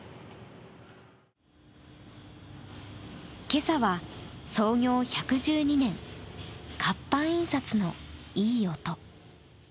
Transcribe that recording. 今朝は創業１１２年、活版印刷のいい音。